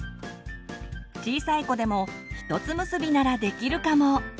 小さい子でもひとつ結びならできるかも！